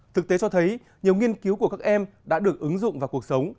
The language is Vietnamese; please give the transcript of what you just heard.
thực tế cho thấy nhiều nghiên cứu của các em đã được ứng dụng vào cuộc sống